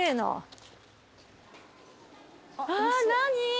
あ何？